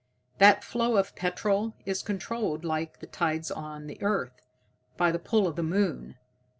"That flow of petrol is controlled, like the tides on earth, by the pull of the moon.